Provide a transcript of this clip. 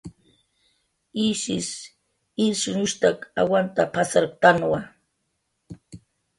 Ishis irshunushstak awanta pasarktanwa